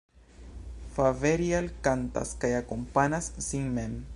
Faverial kantas kaj akompanas sin mem.